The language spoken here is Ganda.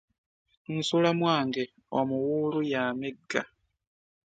Nsula mwange оmuwuulu y'amegga.